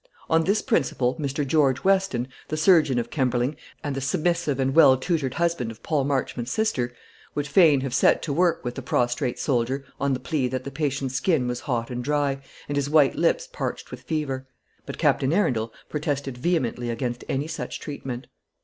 On this principle Mr. George Weston, the surgeon of Kemberling, and the submissive and well tutored husband of Paul Marchmont's sister, would fain have set to work with the prostrate soldier, on the plea that the patient's skin was hot and dry, and his white lips parched with fever. But Captain Arundel protested vehemently against any such treatment.